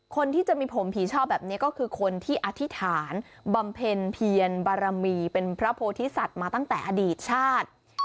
คนที่จะมีผมผีชอบแบบนี้ก็คือคนที่อธิษฐานบำเพ็ญเพียรบารมีเป็นพระโพธิสัตว์มาตั้งแต่อดีตชาติ